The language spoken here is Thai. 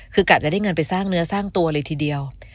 คือกะจะได้เงินไปสร้างเนื้อสร้างตัวเลยทีเดียว